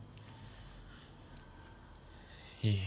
いい。